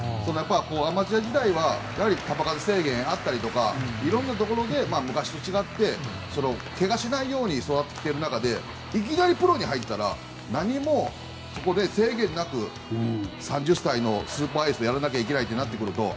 アマチュア時代は球数制限あったり昔と違ってけがしないように育ててる中で歴代プロに入ったら何もそこで制限なく３０歳のスーパーエースでやらなきゃいけないとなると。